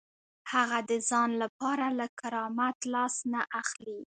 هغه د ځان لپاره له کرامت لاس نه اخلي.